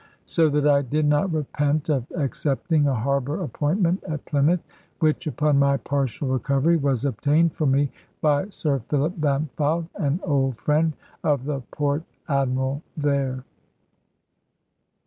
So that I did not repent of accepting a harbour appointment at Plymouth, which (upon my partial recovery) was obtained for me by Sir Philip Bampfylde, an old friend of the Port Admiral there.